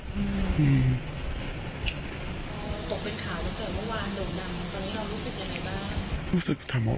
ตกเป็นข่าวเมื่อวานโดดำตอนนี้เรารู้สึกอย่างไรบ้าง